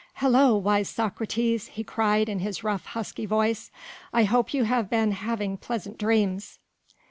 "Hello, wise Socrates," he cried in his rough, husky voice, "I hope you have been having pleasant dreams."